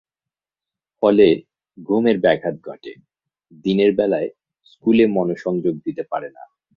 ফলে ঘুমের ব্যাঘাত ঘটে, দিনের বেলায় স্কুলে মনঃসংযোগ দিতে পারে না।